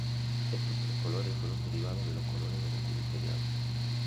Estos tres colores fueron derivados de los colores del escudo imperial.